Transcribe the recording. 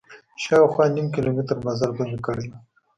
شاوخوا نیم کیلومتر مزل به مې کړی و.